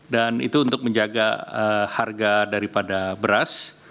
dan itu untuk menjaga harga daripada beras